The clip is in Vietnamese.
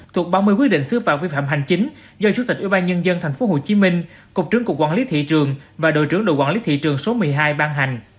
thuộc ba mươi quy định xứ phạm vi phạm hành chính do chủ tịch ủy ban nhân dân tp hcm cục trưởng cục quản lý thị trường và đội trưởng đội quản lý thị trường số một mươi hai ban hành